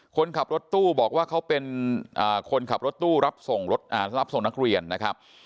คนขับรถตู้บอกว่าเขาเป็นคนขับรถตู้รับส่งนักเรียนนะครับ